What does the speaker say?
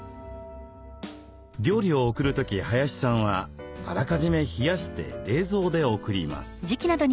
料理を送る時林さんはあらかじめ冷やして冷蔵で送ります。